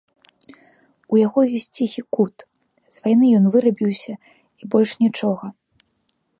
У яго ёсць ціхі кут, з вайны ён вырабіўся, і больш нічога.